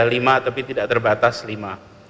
lima tapi tidak terbatas lima